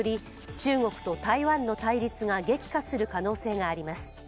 中国と台湾の対立が激化する可能性があります。